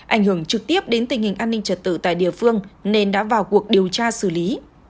ảnh hưởng trực tiếp đến tình hình an ninh trật tự tại địa phương nên đã vào cuộc điều tra xử lý